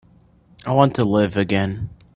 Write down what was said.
I want to live again.